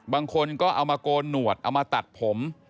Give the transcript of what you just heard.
บางคนก็เอามาโกนหนวดเอามาตัดผม